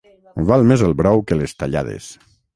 Val més el brou que les tallades.